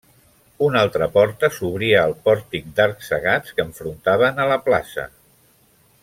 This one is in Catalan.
Una altra porta s'obria al pòrtic d'arcs cegats que enfrontaven a la plaça.